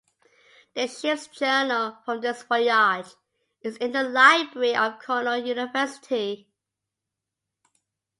The ship's journal from this voyage is in the library of Cornell University.